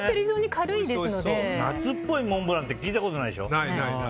夏っぽいモンブランって聞いたことないでしょ。